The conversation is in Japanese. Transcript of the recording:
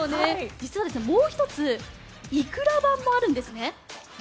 実はもう１つイクラ版もあるんですね。